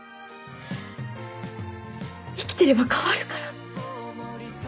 生きてれば変わるから。